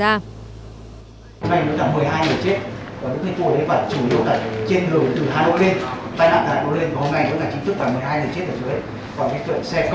hôm nay cũng là một mươi hai người chết và lúc khi tôi đến và chủ yếu là trên đường từ hà nội lên tai nạn đã đổ lên và hôm nay cũng là chính thức là một mươi hai người chết ở dưới